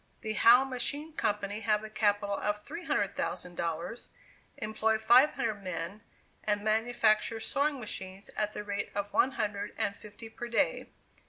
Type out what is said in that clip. The Howe Machine Company have a capital of $300,000, employ five hundred men, and manufacture sewing machines at the rate of one hundred and fifty per day.